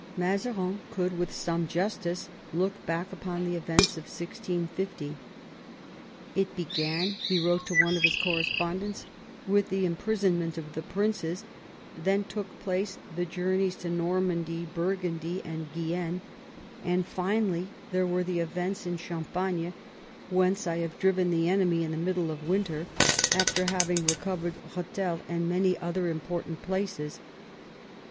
Mazarin could with some justice look back upon the events of 1650. "It began," he wrote to one of his correspondents, "with the imprisonment of the princes; then took place the journeys to Normandy, Burgundy, and V THE EARLY YEARS OF THE NEW FRONDE 87 Guienne ; and finally there were the events in Cham pagne, whence I have driven the enemy in the middle of winter, after having recovered Rethel and many other important places.